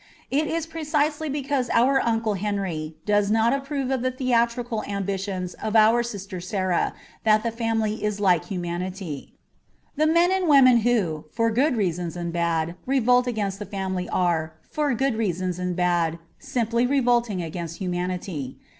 It is precisely because our uncle Henry does not approve of the theatrical ambitions of our sister Sarah that the family is like humanity. The men and women who, for good reasons and bad, revolt against the family are, for good reasons and bad, simply revolting against mankind.